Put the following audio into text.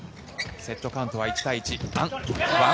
セットカウントは１対１。